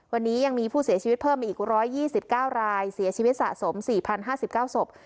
วันนี้ยังมีผู้เสียชีวิตเพิ่มอีกร้อยยี่สิบเก้ารายเสียชีวิตสะสมสี่พันห้าสิบเก้าศพ